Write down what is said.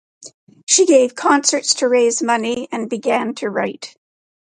She gave concerts to raise money and began to write.